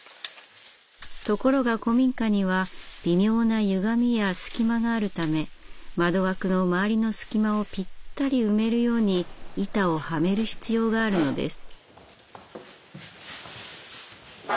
ところが古民家には微妙なゆがみや隙間があるため窓枠の周りの隙間をぴったり埋めるように板をはめる必要があるのです。